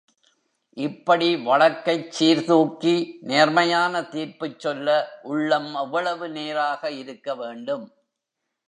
இப்படி வழக்கைச் சீர்தூக்கி நேர்மையான தீர்ப்புச் சொல்ல உள்ளம் எவ்வளவு நேராக இருக்க வேண்டும்.